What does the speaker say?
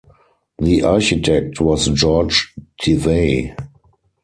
The architect was George Devey.